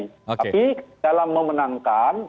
tapi dalam memenangkan